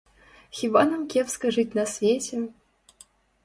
Хіба нам кепска жыць на свеце?